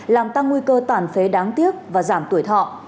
làm tăng nguy cơ tản phế đáng tiếc và giảm tuổi thọ